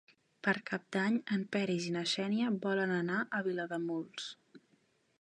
Per Cap d'Any en Peris i na Xènia volen anar a Vilademuls.